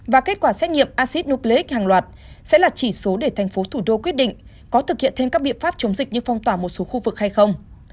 và kết quả xét nghiệm acid nucleic hàng loạt sẽ là chỉ số để thành phố thủ đô quyết định có thực hiện thêm các biện pháp chống dịch như phong tỏa một số khu vực hay không